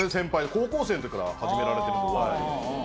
高校生の時から始められてるんでお笑いを。